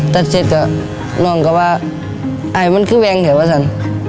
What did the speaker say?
ตัดเสร็จก็นอนก็ว่าไอมันคือแวงแถวว่าสั้น